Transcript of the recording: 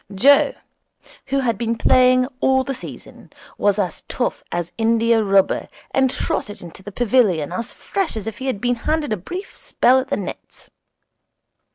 Joe, who had been playing all the season, was as tough as india rubber, and trotted into the pavilion as fresh as if he had been having a brief spell at the nets.